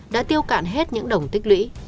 đã tiêu cạn hết những đồng tích lũy